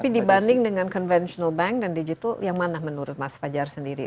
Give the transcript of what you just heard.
tapi dibanding dengan conventional bank dan digital yang mana menurut mas fajar sendiri